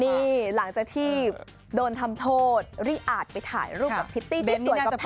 นี่หลังจากที่โดนทำโทษริอาจไปถ่ายรูปกับพิตตี้ได้สวยก็แพ้